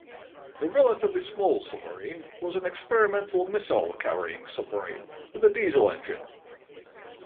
The relatively small submarine was an experimental missile-carrying submarine with a diesel engine.